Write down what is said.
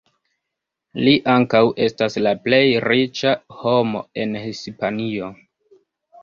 Li ankaŭ estas la plej riĉa homo en Hispanio.